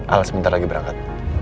al sebentar lagi berangkat